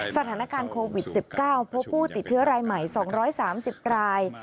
สถานการณ์โควิด๑๙พบผู้ติดเชื้อรายใหม่๒๓๐ราย